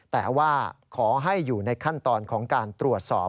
แต่ว่าขอให้อยู่ในขั้นตอนของการตรวจสอบ